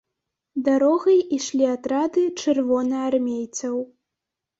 Дарогай ішлі атрады чырвонаармейцаў.